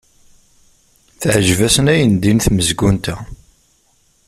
Teɛjeb-asen ayendin tmezgunt-a.